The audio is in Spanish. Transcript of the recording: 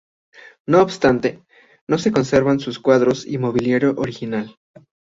No obstante, no se conservan sus cuadros y mobiliario original.